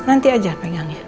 nanti aja pegang ya